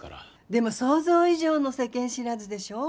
でも想像以上の世間知らずでしょ？